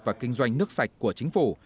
và kinh doanh nước sạch của chính phủ